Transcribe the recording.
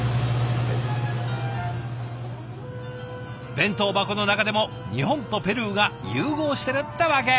弁当箱の中でも日本とペルーが融合してるってわけ。